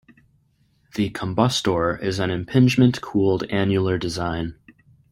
The combustor is an impingement cooled annular design.